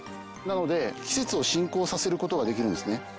なので季節を進行させる事ができるんですね。